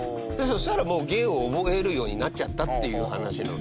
そしたら、芸を覚えるようになっちゃったっていう話なの。